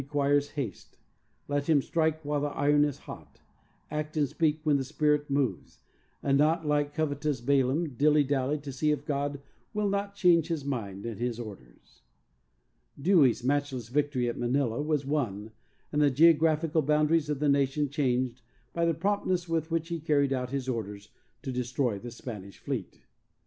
13 quires haste;" let him "strike while the iron is hot;" act and speak when the Spirit moves, and not like covetous Balaam dilly dally to see if God will not change His mind and His orders. Dewey's matchless victory at Manilla was won, and the geographical boundaries of the nations changed by the promptness with which he carried out his orders to destroy the Spanish fleet.